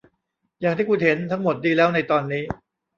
อย่างที่คุณเห็น ทั้งหมดดีแล้วในตอนนี้